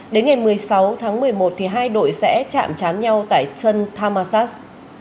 đến ngày một mươi sáu tháng một mươi một thì hai đội sẽ chạm chán nhau tại sân tamasas